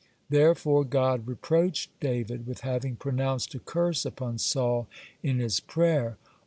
Therefore God reproached David with having pronounced a curse upon Saul in his prayer.